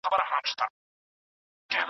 بشریت ته محدود حقوق ورکړل سوي دي.